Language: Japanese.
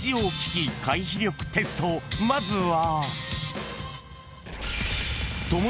［まずは］